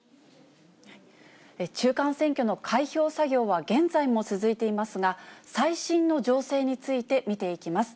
中間選挙の開票作業は現在も続いていますが、最新の情勢について見ていきます。